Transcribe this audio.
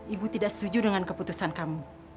ibu tidak setuju dengan keputusan kamu